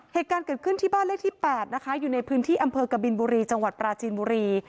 เหตุการณ์เกิดขึ้นที่บ้านเลขที่๘นะคะอยู่ในพื้นที่อำเภอกบินบุรีจังหวัดปราจีนบุรี